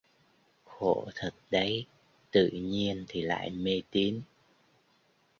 Khổ thật đấy tự nhiên thì lại mê tín